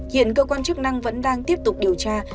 hiện cơ quan chức năng vẫn đang tiếp tục điều tra